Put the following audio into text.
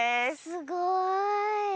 すごい。